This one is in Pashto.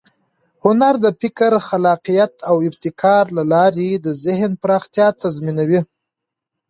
هنر د فکر، خلاقیت او ابتکار له لارې د ذهن پراختیا تضمینوي.